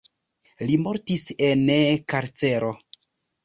Li mortis en karcero.